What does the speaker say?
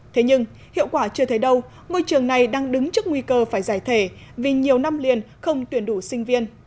thế nhưng hiệu quả chưa thấy đâu ngôi trường này đang đứng trước nguy cơ phải giải thể vì nhiều năm liền không tuyển đủ sinh viên